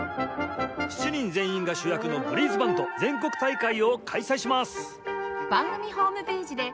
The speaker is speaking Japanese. ７人全員が主役のブリーズバンド全国大会を開催します！